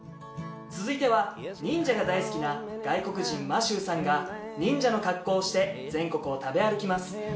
「続いては忍者が大好きな外国人マシューさんが忍者の格好をして全国を食べ歩きます」